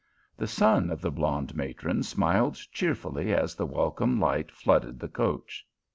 The son of the blonde matron smiled cheerfully as the welcome light flooded the coach.